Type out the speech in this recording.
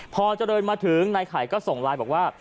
พอเจริญมาถึงนายไข่ก็ส่งไลน์บอกว่า